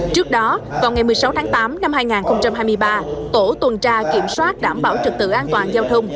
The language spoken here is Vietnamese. trước đó vào ngày một mươi sáu tháng tám năm hai nghìn hai mươi ba tổ tuần tra kiểm soát đảm bảo trực tự an toàn giao thông